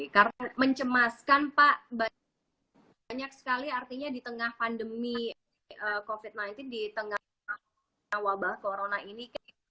karena mencemaskan pak banyak sekali artinya di tengah pandemi covid sembilan belas di tengah wabah corona ini